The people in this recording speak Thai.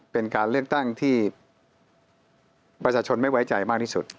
เป็นการเลือกตั้งที่ประชาชนไม่ไว้ใจมากที่สุด